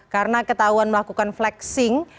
karena ketahuan melakukan flexing